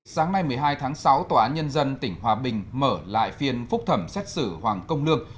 sáng nay một mươi hai tháng sáu tòa án nhân dân tỉnh hòa bình mở lại phiên phúc thẩm xét xử hoàng công lương